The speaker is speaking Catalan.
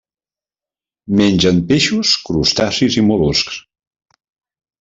Mengen peixos, crustacis i mol·luscs.